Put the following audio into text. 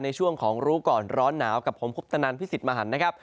ในช่วงของรู้ก่อนร้อนหนาวกับผมคุปตนันพิสิทธิ์มหันนะครับ